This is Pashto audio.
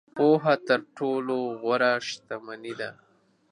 • پوهه تر ټولو غوره شتمني ده.